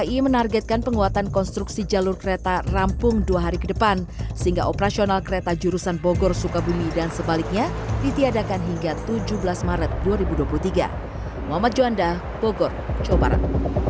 dki menargetkan penguatan konstruksi jalur kereta rampung dua hari ke depan sehingga operasional kereta jurusan bogor sukabumi dan sebaliknya ditiadakan hingga tujuh belas maret dua ribu dua puluh tiga